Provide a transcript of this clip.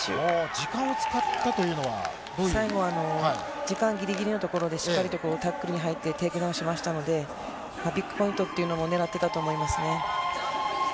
時間を使ったというのは、最後、時間ぎりぎりのところでしっかりとタックルに入ってテイクダウンしましたので、ビッグポイントというのを狙ってたと思いますね。